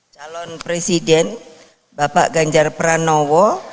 calon presiden bapak ganjar pranowo